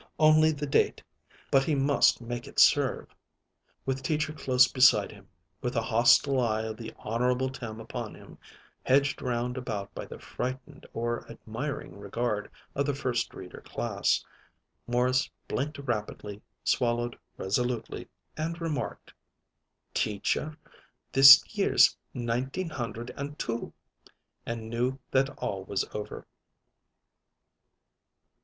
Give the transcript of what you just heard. Only the date, but he must make it serve. With teacher close beside him, with the hostile eye of the Honorable Tim upon him, hedged round about by the frightened or admiring regard of the First Reader Class, Morris blinked rapidly, swallowed resolutely, and remarked: "Teacher, this year's Nineteen hundred and two," and knew that all was over.